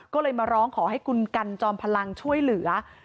ก็เลยมาร้องขอให้คุณกันจอมพลังช่วยเหลือ